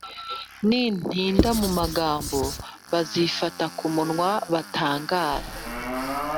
nintinda mu magambo, bazifata ku munwa batangare.